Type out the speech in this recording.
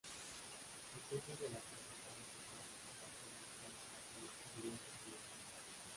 El centro de la plaza está reservado exclusivamente a los peatones, eventos o mercados.